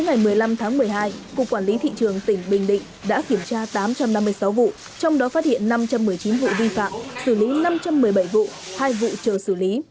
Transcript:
ngày một mươi năm tháng một mươi hai cục quản lý thị trường tỉnh bình định đã kiểm tra tám trăm năm mươi sáu vụ trong đó phát hiện năm trăm một mươi chín vụ vi phạm xử lý năm trăm một mươi bảy vụ hai vụ chờ xử lý